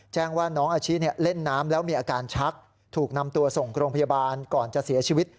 แจ้งว่าน้องอาชิเล่นน้ำแล้วมีอาการชักถูกนำตัวส่งโรงพยาบาลก่อนจะเสียชีวิต